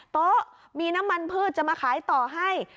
โต๊ะมีน้ำมันพืชจะมาขายต่อให้